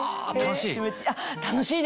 楽しい？